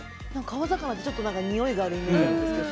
川魚ってちょっとにおいがあるイメージが。